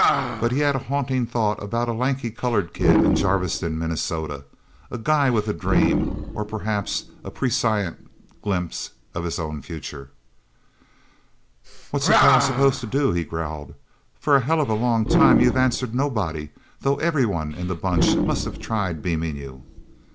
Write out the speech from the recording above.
But he had a haunting thought about a lanky colored kid in Jarviston, Minnesota. A guy with a dream or perhaps a prescient glimpse of his own future. "What's a pal supposed to do?" he growled. "For a helluva long time you've answered nobody though everyone in the Bunch must have tried beaming you."